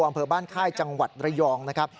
อำเภอบ้านค่ายจังหวัดระยองนะครับ